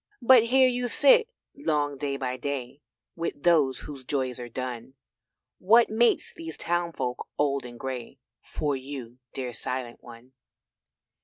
But here you sit long day by day With those whose joys are done; What mates these townfolk old and grey For you dear Silent one.